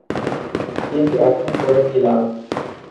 কিন্তু এখন পড়ে কী লাভ?